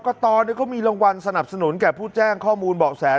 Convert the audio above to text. กตเขามีรางวัลสนับสนุนแก่ผู้แจ้งข้อมูลเบาะแส